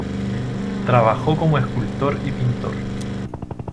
Trabajó como escultor y pintor.